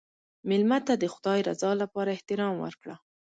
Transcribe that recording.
مېلمه ته د خدای رضا لپاره احترام ورکړه.